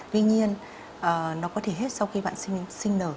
tuy nhiên nó có thể hết sau khi bạn sinh nở